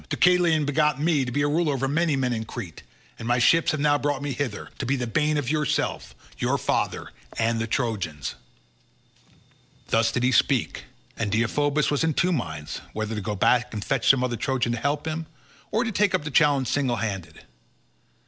Deucalion begot me to be a ruler over many men in Crete, and my ships have now brought me hither, to be the bane of yourself, your father, and the Trojans." Thus did he speak, and Deiphobus was in two minds, whether to go back and fetch some other Trojan to help him, or to take up the challenge single handed.